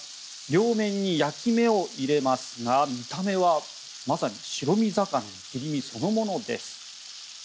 両面に焼き目を入れますが見た目は、まさに白身魚の切り身そのものです。